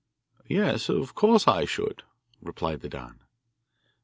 'Yes, of course I should,' replied the Don.